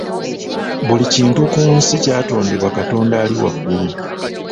Buli kintu ku nsi kyatondebwa Katonda ali waggulu.